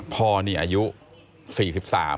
พ่อนี่อายุ๔๓